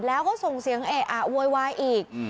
แล้วก็ส่งเสียงเอะอะโวยวายอีก